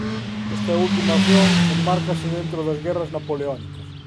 Esta última acción enmárcase dentro das guerras napoleónicas.